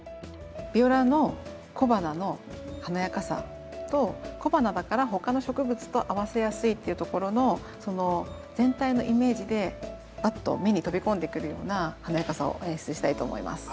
ビオラの小花の華やかさと小花だから他の植物と合わせやすいっていうところのその全体のイメージでバッと目に飛び込んでくるような華やかさを演出したいと思います。